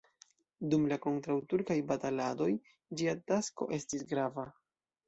Dum la kontraŭturkaj bataladoj ĝia tasko estis grava.